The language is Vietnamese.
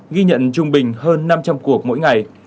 ghi nhận trung bình hơn năm trăm linh cuộc mỗi ngày